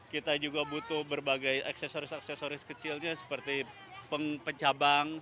kita juga butuh berbagai aksesoris aksesoris kecilnya seperti pencabang